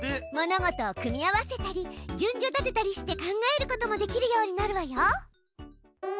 物事を組み合わせたり順序立てたりして考えることもできるようになるわよ。